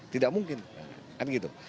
tidak mungkin kan gitu